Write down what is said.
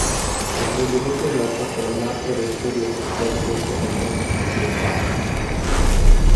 Es presidente del patronato de Estudios Históricos de Olot y de su comarca.